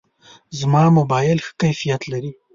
زما موبایل ښه کیفیت لري.